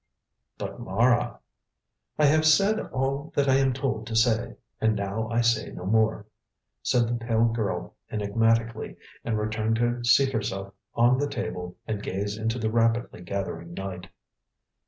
"But, Mara " "I have said all that I am told to say, and now I say no more," said the pale girl enigmatically, and returned to seat herself on the table and gaze into the rapidly gathering night.